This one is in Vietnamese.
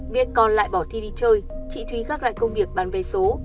viết con lại bỏ thi đi chơi chị thúy gác lại công việc bán vé số